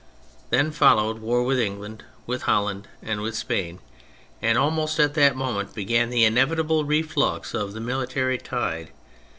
Then followed war with England, with Holland, and with Spain; and almost at that moment began the inevitable reflux of the military tide.